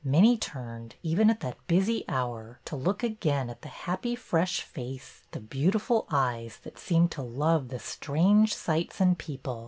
Many turned, even at that busy hour, to look again at the happy, fresh face, the beautiful eyes, that seemed to love the strange sights and people.